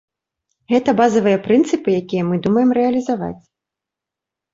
Гэта базавыя прынцыпы, якія мы думаем рэалізаваць.